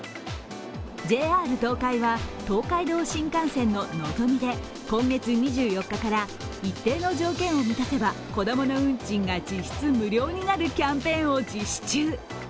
ＪＲ東海は東海道新幹線ののぞみで今月２４日から一定の条件を満たせば子供の運賃が実質無料になるキャンペーンを実施中。